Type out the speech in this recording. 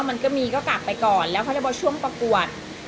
มันก็มีก็กลับไปก่อนแล้วเขาจะพอช่วงประกวด